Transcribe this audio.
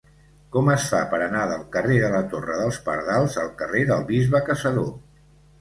Com es fa per anar del carrer de la Torre dels Pardals al carrer del Bisbe Caçador?